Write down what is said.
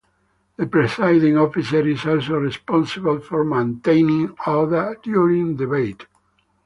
The Presiding Officer is also responsible for maintaining order during debate.